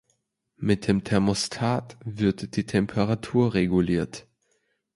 Mit dem Thermostat wird die Temperatur reguliert.